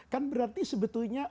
kan berarti sebetulnya